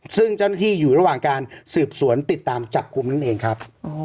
ซึ่งเจ้าหน้าที่อยู่ระหว่างการสืบสวนติดตามจับกลุ่มนั่นเองครับ